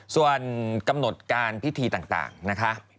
ส่วนกำหนดการพิธีต่างนะคะ